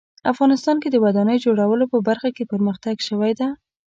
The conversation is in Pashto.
افغانستان کې د ودانیو جوړولو په برخه کې پرمختګ شوی ده